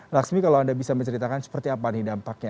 laksmi kalau anda bisa menceritakan seperti apa nih dampaknya